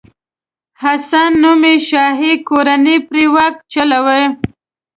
حسن نومي شاهي کورنۍ پرې واک چلوي.